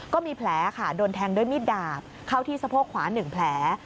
ก็มีแผลค่ะโดนแทงด้วยมีดดาบเข้าที่สะโพกขวา๑แผล